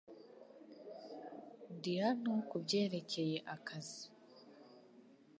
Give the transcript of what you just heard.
Ndi hano kubyerekeye akazi .